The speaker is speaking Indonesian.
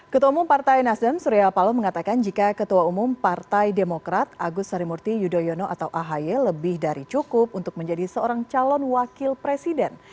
ketua umum partai nasdem surya paloh mengatakan jika ketua umum partai demokrat agus harimurti yudhoyono atau ahy lebih dari cukup untuk menjadi seorang calon wakil presiden